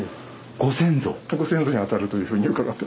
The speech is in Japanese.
ご先祖にあたるというふうに伺ってます。